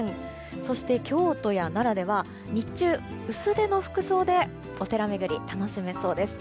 そして京都や奈良では日中、薄手の服装でお寺巡りを楽しめそうです。